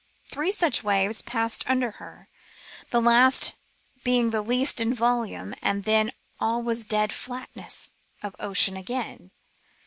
Three such waves passed under her, the last being the least in volume, and then all was dead flatness of ocean again.